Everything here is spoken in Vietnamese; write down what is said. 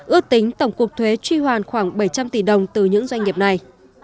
ước tính tổng cục thuế truy hoàn khoảng bảy trăm linh tỷ đồng từ những doanh nghiệp này